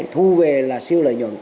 thu về là siêu lợi nhuận